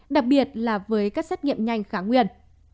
đặc biệt là với các xét nghiệm nhanh kháng nguyên